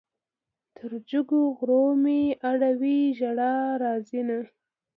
تر جګو غرو مې اړوي ژړا راځينه